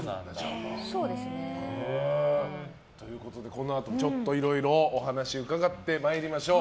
このあと、いろいろお話伺ってまいりましょう。